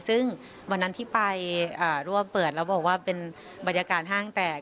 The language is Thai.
ซึ่งวันนั้นที่ไปร่วมเปิดแล้วบอกว่าเป็นบรรยากาศห้างแตก